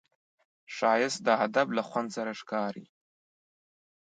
ښایست د ادب له خوند سره ښکاري